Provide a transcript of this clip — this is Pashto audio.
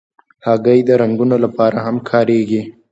هګۍ د رنګونو لپاره هم کارېږي.